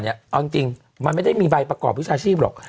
เอาจริงมันไม่ได้มีใบประกอบวิชาชีพหรอก